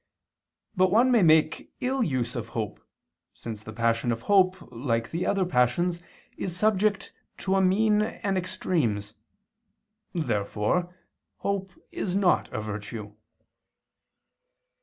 But one may make ill use of hope, since the passion of hope, like the other passions, is subject to a mean and extremes. Therefore hope is not a virtue.